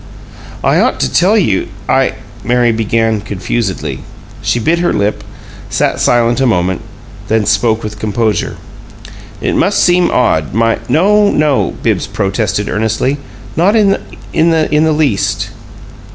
"I ought to tell you I " Mary began, confusedly. She bit her lip, sat silent a moment, then spoke with composure. "It must seem odd, my " "No, no!" Bibbs protested, earnestly. "Not in the in the least."